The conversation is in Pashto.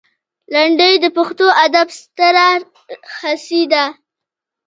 لنډۍ د پښتو ادب ستره هستي ده.